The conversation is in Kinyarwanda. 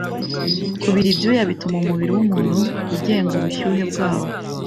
Kubira ibyuya bituma umubiri wumuntu ugenga ubushyuhe bwawo .